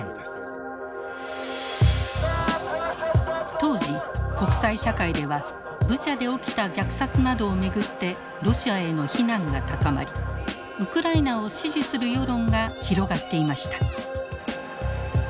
当時国際社会ではブチャで起きた虐殺などを巡ってロシアへの非難が高まりウクライナを支持する世論が広がっていました。